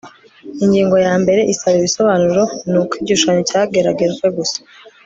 Ingingo ya mbere isaba ibisobanuro ni uko igishushanyo cyageragejwe gusa